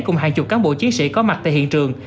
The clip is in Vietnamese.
cùng hàng chục cán bộ chiến sĩ có mặt tại hiện trường